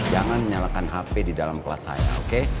jangan menyalakan hp di dalam kelas saya oke